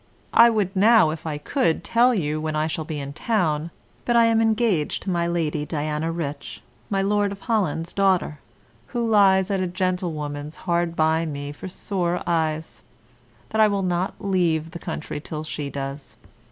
I would now, if I could, tell you when I shall be in town, but I am engaged to my Lady Diana Rich, my Lord of Holland's daughter (who lies at a gentlewoman's hard by me for sore eyes), that I will not leave the country till she does.